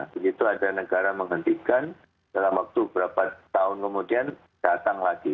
begitu ada negara menghentikan dalam waktu berapa tahun kemudian datang lagi